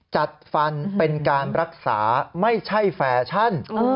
จัดฟันเป็นการรักษาไม่ใช่แฟชั่น